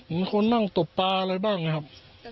มีคนนั่งตบปลาอะไรบ้างนะครับ